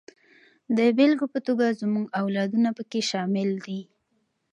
د بېلګې په توګه زموږ اولادونه پکې شامل دي.